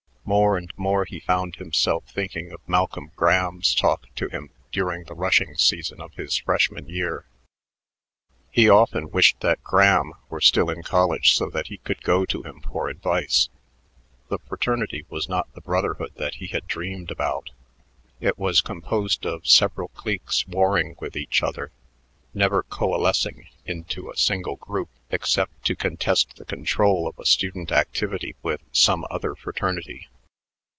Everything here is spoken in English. More and more he found himself thinking of Malcolm Graham's talk to him during the rushing season of his freshman year. He often wished that Graham were still in college so that he could go to him for advice. The fraternity was not the brotherhood that he had dreamed about; it was composed of several cliques warring with each other, never coalescing into a single group except to contest the control of a student activity with some other fraternity.